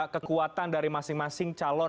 kekuatan dari masing masing calon